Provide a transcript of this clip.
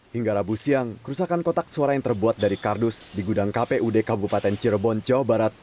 hingga rabu siang kerusakan kotak suara yang terbuat dari kardus di gudang kpud kabupaten cirebon jawa barat